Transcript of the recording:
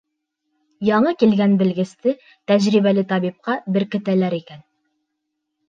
Яңы килгән белгесте тәжрибәле табипҡа беркетәләр икән.